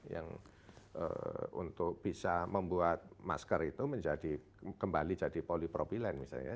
yang untuk bisa membuat masker itu menjadi kembali jadi polipropilen misalnya